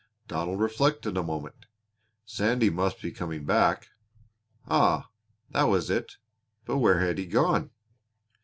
Donald reflected a moment. Sandy must be coming back. Ah, that was it! But where had he gone?